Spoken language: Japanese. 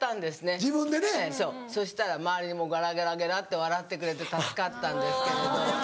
そうそしたら周りもゲラゲラゲラって笑ってくれて助かったんですけれど。